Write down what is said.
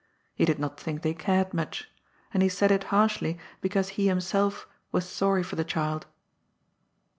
He did not think they cared much ; and he said it harshly because he himself was sorry for the child.